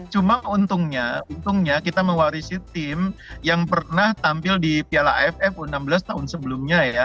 cuma untungnya kita mewarisi tim yang pernah tampil di piala aff u enam belas tahun sebelumnya ya